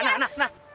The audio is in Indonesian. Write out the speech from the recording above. nah nah nah